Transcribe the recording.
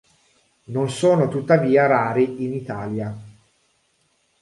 Non sono tuttavia rari in Italia.